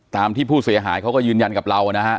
ตามที่ผู้เสียหายเขาก็ยืนยันกับเรานะฮะ